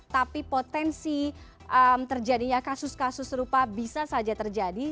tapi potensi terjadinya kasus kasus serupa bisa saja terjadi